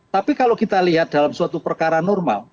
tapi kalau kita lihat dalam suatu perkara normal